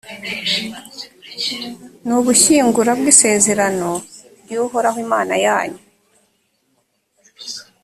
ni ubushyinguro bw’isezerano ry’uhoraho, imana yanyu,